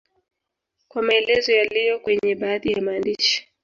kwa maelezo yaliyo kwenye baadhi ya maandishi